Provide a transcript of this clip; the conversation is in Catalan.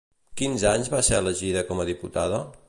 Quins anys va ser elegida com a diputada?